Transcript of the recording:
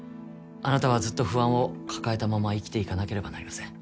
あなたはずっと不安を抱えたまま生きていかなければなりません。